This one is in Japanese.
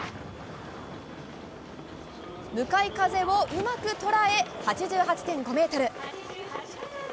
向かい風をうまく捉え、８８．５メートル。